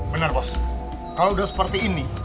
benar bos kalau udah seperti ini